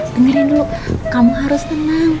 dengerin dulu kamu harus tenang